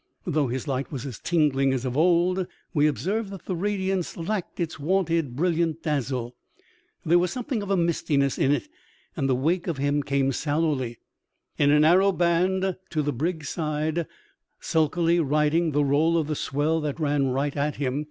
Though his light was as tingling as of old, we observed that the radiance lacked its wonted brilliant dazzle. There was something of mistiness in it, and the wake of him came sallowly, TEIB8TI AN OCEAN INCIDENT. 51 in a narrow band, to the brig's side, sulkily riding the roll of the swell that ran right at him.